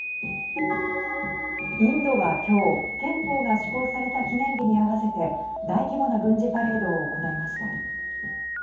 インドは今日、憲法が施行された記念日に合わせて大規模な軍事パレードを行いました。